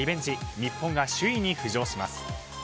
日本が首位に浮上します。